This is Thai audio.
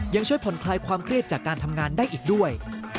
ยังช่วยผ่อนคลายความเครียดจากการทำงานได้อีกด้วย